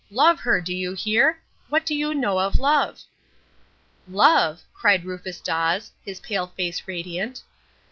Love her, do you hear? What do you know of love?" "Love!" cried Rufus Dawes, his pale face radiant.